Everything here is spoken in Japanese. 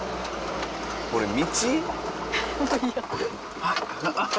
これ道？